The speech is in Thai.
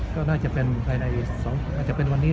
ก็น่าจะเป็นวันนี้หรือพรุ่งนี้